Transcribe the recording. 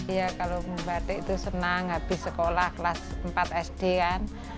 iya kalau membatik itu senang habis sekolah kelas empat sd kan